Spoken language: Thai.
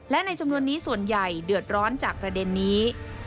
และในจำนวนนี้ส่วนใหญ่เดือดร้อนจากประเด็นนี้